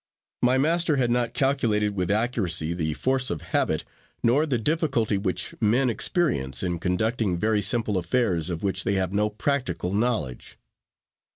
My master had not calculated with accuracy the force of habit, nor the difficulty which men experience, in conducting very simple affairs, of which they have no practical knowledge.